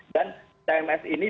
dan cms ini